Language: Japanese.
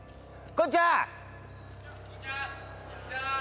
こんにちは！